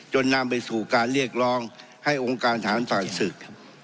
นำไปสู่การเรียกร้องให้องค์การฐานฝ่ายศึก